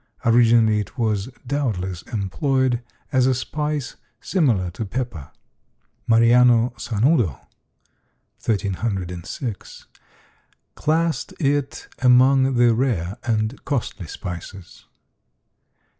Originally it was doubtless employed as a spice, similar to pepper. Mariano Sanudo (1306) classed it among the rare and costly spices.